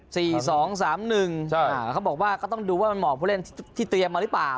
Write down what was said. เขาบอกว่าก็ต้องดูว่ามันเหมาะผู้เล่นที่เตรียมมาหรือเปล่า